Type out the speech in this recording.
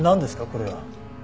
これは。